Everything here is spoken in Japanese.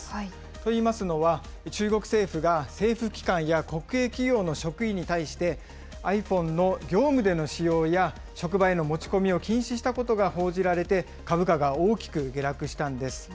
といいますのは、中国政府が政府機関や国営企業の職員に対して、ｉＰｈｏｎｅの業務での使用や職場への持ち込みを禁止したことが報じられて、株価が大きく下落したんです。